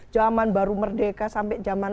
zaman baru merdeka sampai zaman